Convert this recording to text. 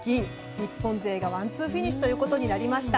日本勢がワンツーフィニッシュとなりました。